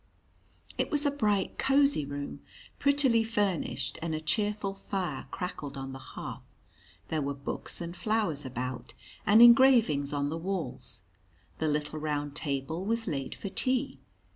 It was a bright, cosy room, prettily furnished, and a cheerful fire crackled on the hearth. There were books and flowers about, and engravings on the walls. The little round table was laid for tea.